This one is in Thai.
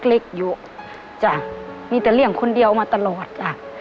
เล็กอยู่จ้ะมีแต่เลี่ยงคนเดียวมาตลอดจ้ะ